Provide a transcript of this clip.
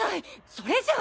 それじゃあ。